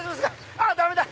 あっダメだ！